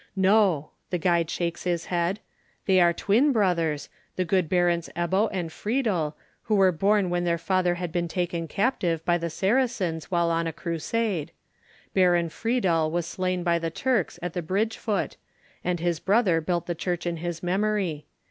"No," the guide shakes his head; "they are twin brothers, the good Barons Ebbo and Friedel, who were born when their father had been taken captive by the Saracens while on a crusade. Baron Friedel was slain by the Turks at the bridge foot, and his brother built the church in his memory.